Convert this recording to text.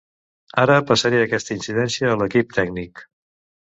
Ara passaré aquesta incidència a l'equip tècnic.